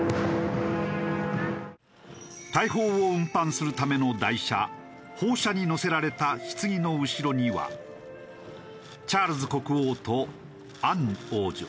大砲を運搬するための台車砲車にのせられたひつぎの後ろにはチャールズ国王とアン王女。